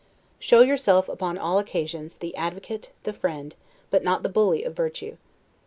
Show yourself, upon all occasions, the advocate, the friend, but not the bully of virtue.